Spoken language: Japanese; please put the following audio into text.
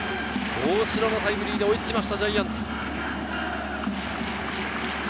大城のタイムリーで追いつきました、ジャイアンツ。